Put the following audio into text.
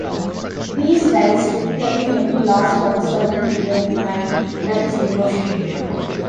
These rights typically only last for a certain period of time that is negotiated.